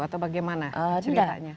atau bagaimana ceritanya